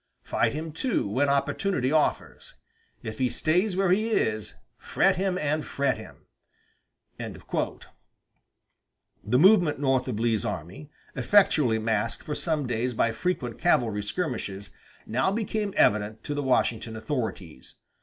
Fight him, too, when opportunity offers. If he stays where he is, fret him and fret him." The movement northward of Lee's army, effectually masked for some days by frequent cavalry skirmishes, now became evident to the Washington authorities.